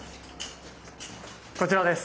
こちらです。